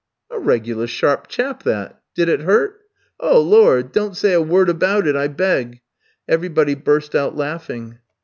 "'A regular sharp chap that! Did it hurt?' "'Oh, Lord, don't say a word about it, I beg.' "Everybody burst out laughing.